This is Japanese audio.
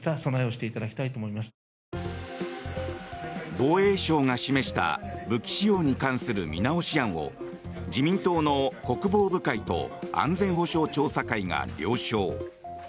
防衛省が示した武器使用に関する見直し案を自民党の国防部会と安全保障調査会が了承。